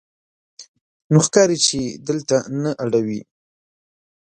نو ښکاري چې دلته نه اړوې.